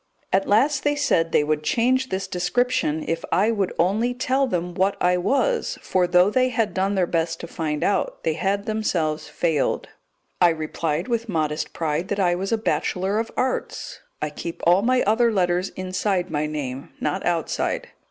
At last they said they would change this description if I would only tell them what I was, for, though they had done their best to find out, they had themselves failed. I replied with modest pride that I was a Bachelor of Arts. I keep all my other letters inside my name, not outside.